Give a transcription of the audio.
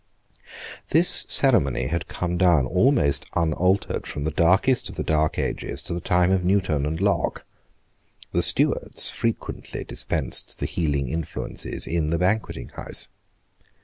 This ceremony had come down almost unaltered from the darkest of the dark ages to the time of Newton and Locke. The Stuarts frequently dispensed the healing influences in the Banqueting House.